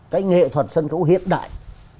cái nghệ thuật sân khấu hiện đại